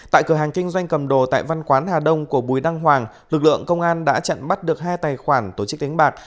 tại cửa hàng kinh doanh cầm đồ tại văn quán hà đông của bùi đăng hoàng lực lượng công an đã chặn bắt được hai tài khoản tổ chức đánh bạc